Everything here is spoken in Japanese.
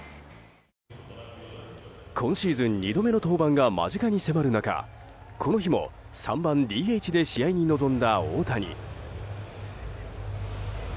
今シーズン２度目の登板が間近に迫る中この日も３番ＤＨで試合に臨んだ大谷。